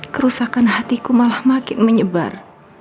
kerusakan hatiku malah makin menyebar